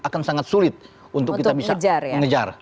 akan sangat sulit untuk kita bisa mengejar